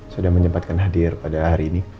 sudah menyempatkan hadir pada hari ini